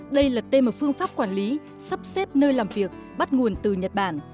đây là tên ở phương pháp quản lý sắp xếp nơi làm việc bắt nguồn từ nhật bản